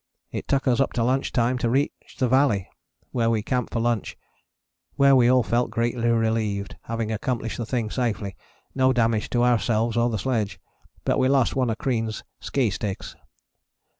It took us up to lunch time to reach the valley, where we camped for lunch, where we all felt greatly relieved, having accomplished the thing safely, no damage to ourselves or the sledge, but we lost one of Crean's ski sticks.